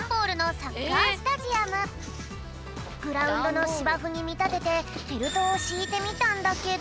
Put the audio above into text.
グラウンドのしばふにみたててフェルトをしいてみたんだけど。